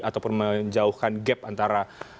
atau menjauhkan gap antara